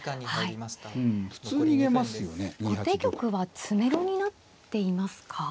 後手玉は詰めろになっていますか？